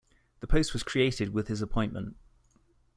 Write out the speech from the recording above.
The post was created with his appointment.